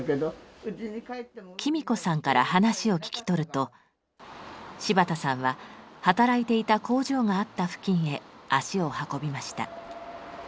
喜美子さんから話を聞き取ると柴田さんは働いていた工場があった付近へ足を運びました。